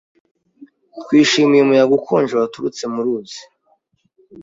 Twishimiye umuyaga ukonje waturutse mu ruzi.